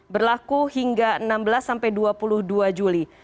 berlaku hingga enam belas sampai dua puluh dua juli